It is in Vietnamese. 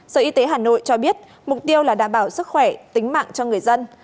sở y tế hà nội cho biết mục tiêu là đảm bảo sức khỏe tính mạng cho người dân